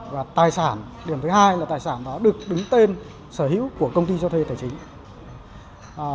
và tài sản điểm thứ hai là tài sản đó được đứng tên sở hữu của công ty cho thuê tài chính